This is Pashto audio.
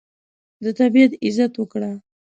د طبیعت عزت وکړه.